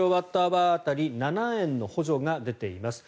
１キロワットアワー当たり７円の補助が出ています。